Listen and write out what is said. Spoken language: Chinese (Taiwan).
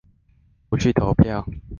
不去投票！